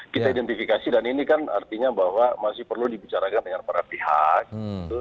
kita identifikasi dan ini kan artinya bahwa masih perlu dibicarakan dengan para pihak